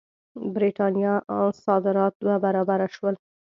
برېټانیا صادرات دوه برابره شول.